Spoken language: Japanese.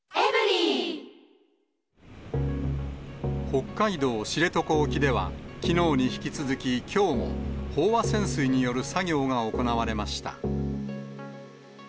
北海道知床沖では、きのうに引き続き、きょうも、飽和潜水による作業が行われました。